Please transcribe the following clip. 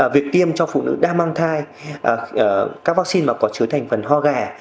việc tiêm cho phụ nữ đang mang thai các vaccine mà có chứa thành phần ho gà